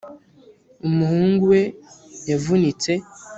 umuhungu we yavunitse